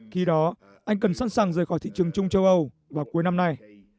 khi đó anh cần sẵn sàng rời khỏi thị trường chung châu âu vào cuối năm nay